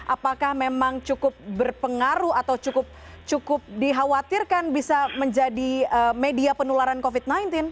apakah memang cukup berpengaruh atau cukup dikhawatirkan bisa menjadi media penularan covid sembilan belas